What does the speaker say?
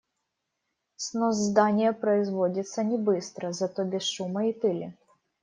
Снос здания производится не быстро, зато без шума и пыли.